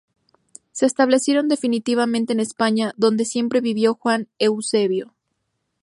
Se establecieron definitivamente en España donde siempre vivió Juan Eusebio.